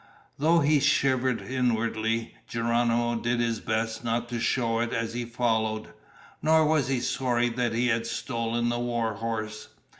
Though he shivered inwardly, Geronimo did his best not to show it as he followed. Nor was he sorry that he had stolen the war horse.